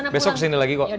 besok kesini lagi kok